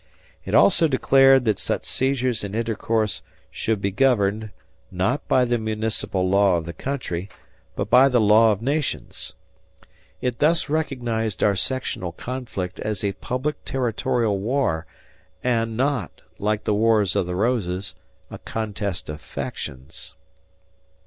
It also declared that such seizures and intercourse should be governed, not by the municipal law of the country, but by the law of nations. It thus recognized our sectional conflict as a public territorial war and not, like the Wars of the Roses, a contest of factions.